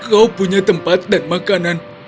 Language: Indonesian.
kau punya tempat dan makanan